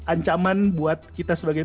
ancaman buat kita sebagai